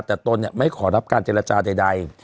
แต่ตนไม่ขอรับการเจรจาใด